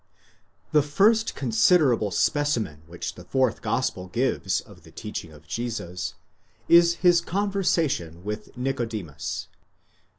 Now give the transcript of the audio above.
Tue first considerable specimen which the fourth gospel gives of the teach ing of Jesus, is his conversation with Nicodemus (iil.